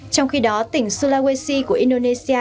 trong khi đó tỉnh sulawesi của indonesia